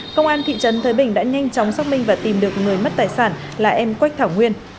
công an thị trấn thới bình đã nhanh chóng xác minh và tìm được người mất tài sản là em quách thảo nguyên